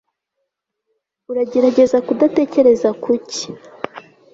uragerageza kudatekereza kuki